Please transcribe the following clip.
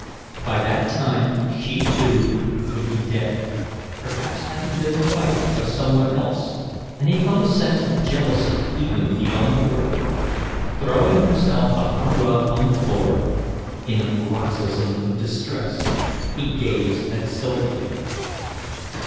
By that time she, too, would be dead, perhaps having been the wife of some one else, and he felt a sense of jealousy even beyond the grave. Throwing himself upon a rug on the floor, in a paroxysm of distress, he gazed at Sylvia.